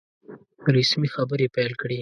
رسمي خبري پیل کړې.